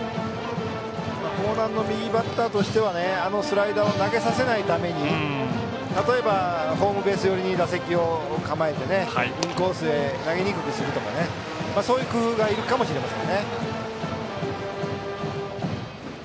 興南の右バッターとしてはあのスライダーを投げさせないために例えばホームベース寄りに構えてインコースへ投げにくくするとかそういう工夫がいるかもしれませんね。